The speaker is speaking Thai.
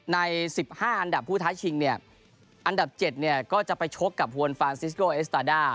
ใน๑๕อันดับผู้ทัชชิงอันดับ๗ก็จะไปชกกับฮวนฟานซิสโกเอสตาด้า